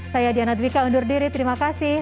saya diana dwi ka undur diri terima kasih